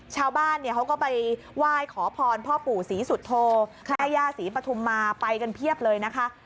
ชาวบ้านเนี่ยเขาก็ไปไหว้ขอพรพ่อปู่ศรีสุโธแม่ย่าศรีปฐุมมาไปกันเพียบเลยนะคะ